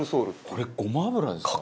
これごま油ですか？